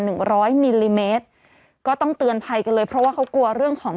หนึ่งร้อยมิลลิเมตรก็ต้องเตือนภัยกันเลยเพราะว่าเขากลัวเรื่องของ